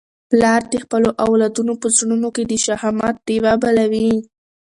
پلار د خپلو اولادونو په زړونو کي د شهامت ډېوه بلوي.